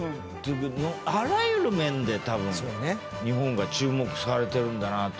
あらゆる面で多分日本が注目されてるんだなと思うし。